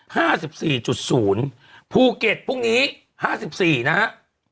ห้าสิบสี่จุดศูนย์ภูเก็ตพรุ่งนี้ห้าสิบสี่นะฮะ